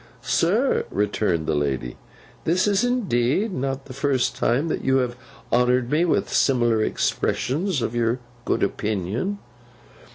'Sir,' returned the lady, 'this is indeed not the first time that you have honoured me with similar expressions of your good opinion.